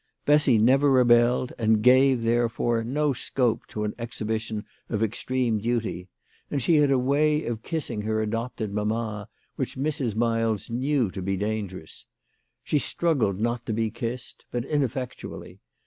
Bessy never rebelled, and gave, therefore, no scope to an exhibition of extreme THE LADY OF LAUNAY. 109 duty; and she had a way of kissing her adopted mamma which Mrs. Miles knew to be dangerous. She struggled not to be kissed, but ineffectually.